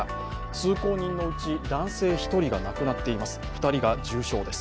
通行人のうち男性１人が亡くなっています。